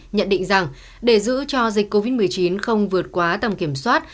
nhận định rằng để giữ cho dịch covid một mươi chín không vượt quá tầm kiểm soát